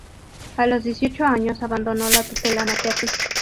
A los dieciocho años abandonó la tutela materna.